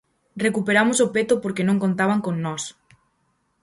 Recuperamos o peto porque non contaban con nós.